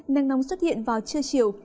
nắng nóng xuất hiện vào trưa chiều